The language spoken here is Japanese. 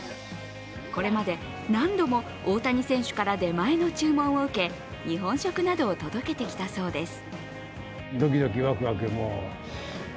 これまで何度も大谷選手から出前の注文を受け、日本食などを届けてきたそうです。